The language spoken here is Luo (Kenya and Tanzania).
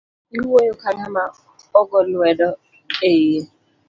Iwuoyo ka ngama ogo lwedo eiye